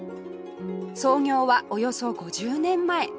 創業はおよそ５０年前